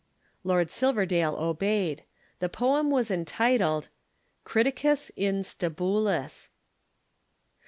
Lord Silverdale obeyed. The poem was entitled. CRITICUS IN STABULIS